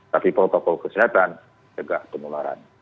tapi protokol kesehatan jaga penularan